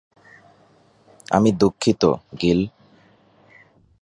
আমি দুঃখিত, গিল।